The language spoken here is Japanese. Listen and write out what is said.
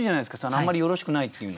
あんまりよろしくないっていうの。